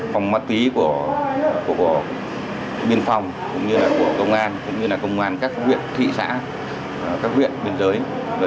phòng mắt tí của biên phòng công an công an các huyện thị xã các huyện biên giới